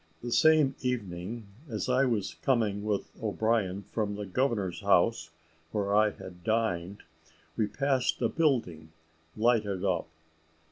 The same evening, as I was coming with O'Brien from the governor's house, where I had dined, we passed a building, lighted up.